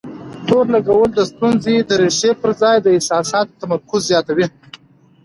تور لګول د ستونزې د ريښې پر ځای د احساساتو تمرکز زياتوي.